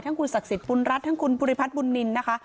คุณศักดิ์สิทธิบุญรัฐทั้งคุณภูริพัฒน์บุญนินนะคะ